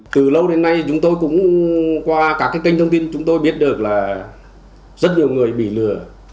từ lâu đến nay chúng tôi cũng qua các kênh thông tin chúng tôi biết được là rất nhiều người bị lừa